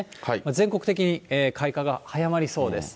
全国的に開花が早まりそうです。